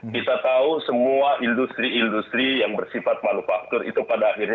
kita tahu semua industri industri yang bersifat manufaktur itu pada akhirnya